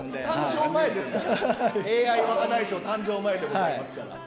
誕生前ですから、ＡＩ若大将誕生前でございますから。